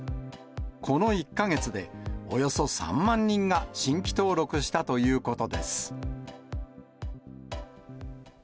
この１か月でおよそ３万人が新規登録したということです。